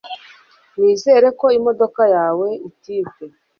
nizere ko imodoka yawe itibwe